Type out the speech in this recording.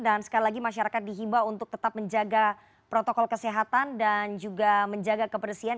dan sekali lagi masyarakat dihibah untuk tetap menjaga protokol kesehatan dan juga menjaga kebersihan